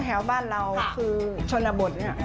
แถวบ้านเราคือชนบทเนี่ย